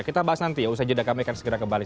kita bahas nanti ya usai jeda kami akan segera kembali